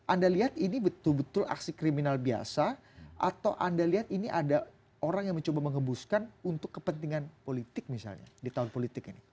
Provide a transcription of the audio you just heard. anda lihat ini betul betul aksi kriminal biasa atau anda lihat ini ada orang yang mencoba mengebuskan untuk kepentingan politik misalnya di tahun politik ini